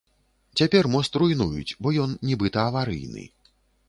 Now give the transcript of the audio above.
Цяпер мост руйнуюць, бо ён нібыта аварыйны.